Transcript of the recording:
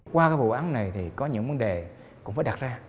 qua bộ án này thì có những vấn đề cũng phải đặt ra